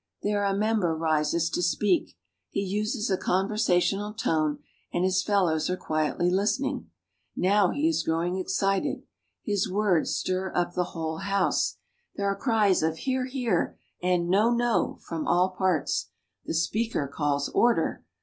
There a member rises to speak. He uses a conversa tional tone and his fellows are quietly listening. Now he is growing excited. His words stir up the whole House. HOW ENGLAND IS GOVERNED. 8 1 There are cries of Hear ! Hear ! and No ! No ! from all parts. The Speaker calls Order